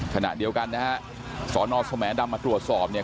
ขณะเดียวกันนะฮะสอนอสแหมดำมาตรวจสอบเนี่ย